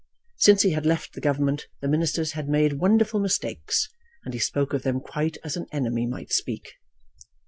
Since he had left the Government the ministers had made wonderful mistakes, and he spoke of them quite as an enemy might speak.